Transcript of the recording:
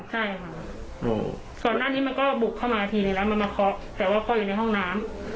ใช่ค่ะก่อนหน้านี้มันก็บุกเข้ามาทีนึงแล้วมันมาเคาะแต่ว่าเคาะอยู่ในห้องน้ำ